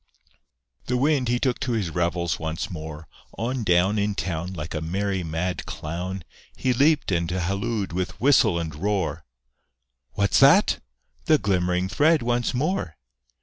The Wind, he took to his revels once more; On down In town, Like a merry mad clown, He leaped and hallooed with whistle and roar, "What's that?" The glimmering thread once more!